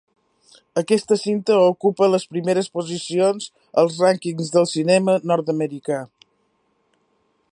Aquesta cinta ocupa les primeres posicions als rànquings del cinema nord-americà.